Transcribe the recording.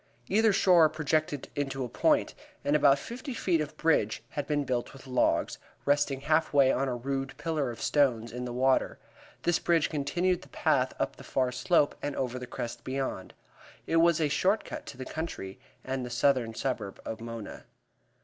Either shore projected into a point, and about fifty feet of bridge had been built with logs, resting half way on a rude pillar of stones in the water. This bridge continued the path up the far slope and over the crest beyond. It was a short cut to the country and the southern suburb of Mona.